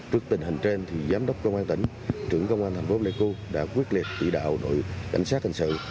trước tình hình trên giám đốc công an tỉnh trưởng công an thành phố pleiku đã quyết liệt tỷ đạo đội cảnh sát hành sự